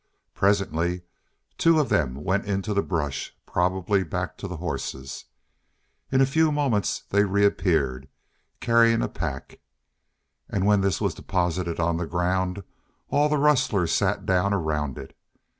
Presently two of them went into the brush, probably back to the horses. In a few moments they reappeared, carrying a pack. And when this was deposited on the ground all the rustlers sat down around it.